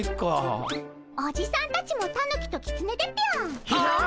おじさんたちもタヌキとキツネでぴょん。